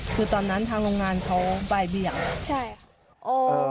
คือตอนนั้นทางโรงงานเขาไปเบียบ